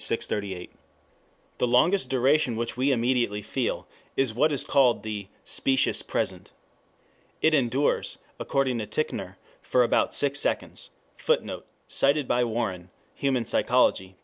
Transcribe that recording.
638.] The longest duration which we immediately feel is what is called the "specious present." It endures, according to Titchener, for about six seconds. [Footnote: Cited by Warren, Human Psychology, p.